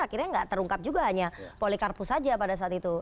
akhirnya nggak terungkap juga hanya polikarpus saja pada saat itu